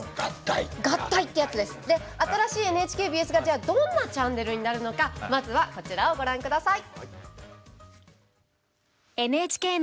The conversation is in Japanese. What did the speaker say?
新しいＮＨＫＢＳがどんなチャンネルになるのかまずは、こちらをご覧ください。